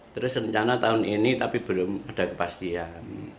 terus rencana tahun ini tapi belum ada kepastian